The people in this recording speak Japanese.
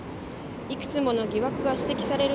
幾つもの疑惑が指摘される